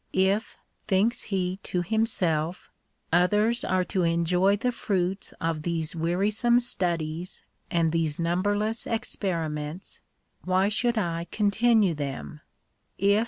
" If/' thinks he to himself, " others are to enjoy the fruits of these wearisome studies and these number less experiments, why should I continue them